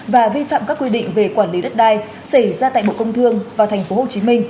và vi phạm các quy định về quản lý đất đai xảy ra tại bộ công thương và tp hcm